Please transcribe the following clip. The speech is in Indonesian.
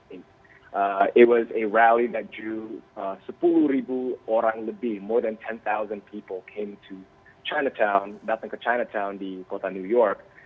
ini adalah rally yang menyebutkan sepuluh orang lebih lebih dari sepuluh orang yang datang ke chinatown di kota new york